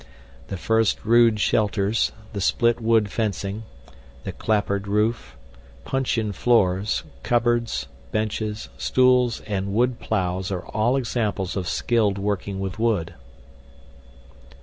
The first rude shelters, the split wood fencing, the clapboard roof, puncheon floors, cupboards, benches, stools, and wood plows are all examples of skilled working with wood.